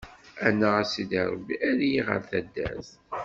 Annaɣ a Sidi Ṛebbi, err-iyi ɣer taddart.